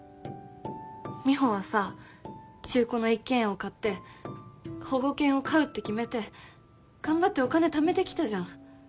美帆はさ中古の一軒家を買って保護犬を飼うって決めて頑張ってお金ためてきたじゃん。